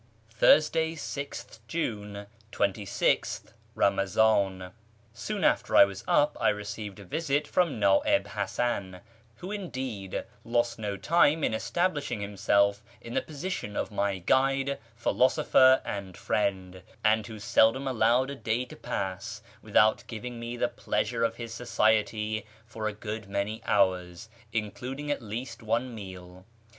Thursday, Gth June, 26th Bamazdn. — Soon after I was up I received a visit from Na'ib Hasan (who, indeed, lost no time in establishing himself in the position of my guide, philosopher, and friend, and who seldom allowed a day to pass without giving me the pleasure of his society for a good many hours, including at least one meal).